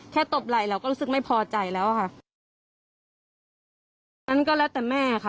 ตบไหล่เราก็รู้สึกไม่พอใจแล้วค่ะอันนั้นก็แล้วแต่แม่ค่ะ